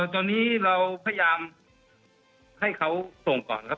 ตอนนี้เราพยายามให้เขาส่งก่อนครับ